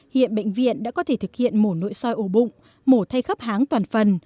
hiện bệnh viện đã có thể thực hiện mổ nội soi ổ bụng mổ thay khắp háng toàn phần